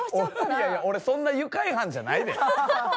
いやいや俺そんな愉快犯じゃないで。